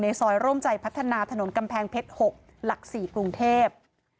ซอยร่วมใจพัฒนาถนนกำแพงเพชร๖หลัก๔กรุงเทพ